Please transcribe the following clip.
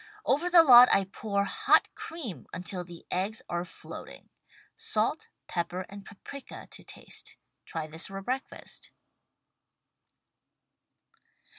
Over the lot, I pour hot cream until the eggs are floating. Salt, pepper and paprika to taste. Try this for breakfast.